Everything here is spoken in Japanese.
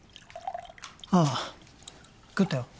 ああ喰ったよ